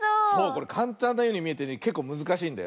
これかんたんなようにみえてねけっこうむずかしいんだよ。